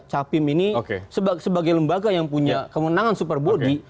capim ini sebagai lembaga yang punya kemenangan super body